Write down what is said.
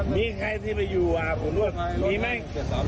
มีใครที่มาอยู่อาหารหลวดมีไหม